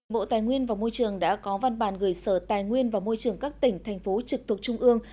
bộ tài nguyên và môi trường đã có văn bản gửi sở tài nguyên và môi trường các tỉnh thành phố trực thuộc trung ương